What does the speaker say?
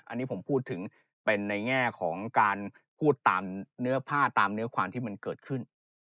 อันนี้ผมพูดถึงเป็นในแง่ของการพูดตามเนื้อผ้าตามเนื้อความที่มันเกิดขึ้น